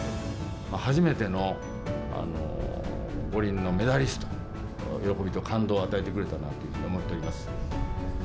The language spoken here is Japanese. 初めての五輪のメダリスト、喜びと感動を与えてくれたなと思っております。